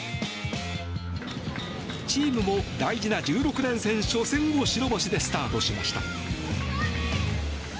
チームも大事な１６連戦初戦を白星でスタートしました。